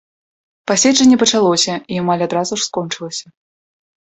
Паседжанне пачалося, і амаль адразу ж скончылася.